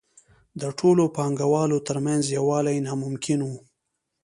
د ټولو پانګوالو ترمنځ یووالی ناممکن وو